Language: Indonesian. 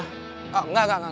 oh enggak enggak enggak